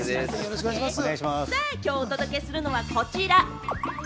さあ今日お届けするのは、こちら。